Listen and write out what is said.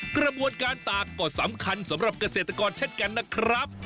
กระบวนการตากก็สำคัญสำหรับเกษตรกรเช่นกันนะครับ